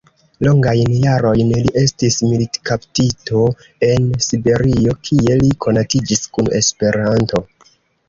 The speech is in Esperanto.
Longajn jarojn li estis militkaptito en Siberio, kie li konatiĝis kun Esperanto.